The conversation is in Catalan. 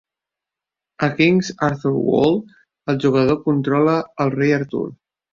A "King Arthur's World", el jugador controla al rei Artur.